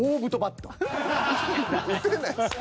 打てないですよ。